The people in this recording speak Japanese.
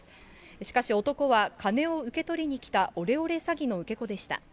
しかし男は金を受け取りに来たオレオレ詐欺の受け子でした。